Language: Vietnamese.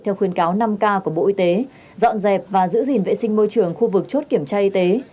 theo khuyên cáo năm k của bộ y tế